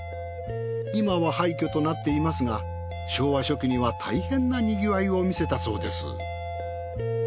今は廃墟となっていますが昭和初期にはたいへんな賑わいを見せたそうです。